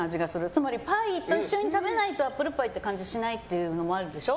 つまりパイと一緒に食べないとアップルパイって感じがしないっていうのもあるでしょ。